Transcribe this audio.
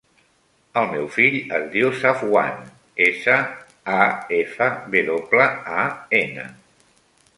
El meu fill es diu Safwan: essa, a, efa, ve doble, a, ena.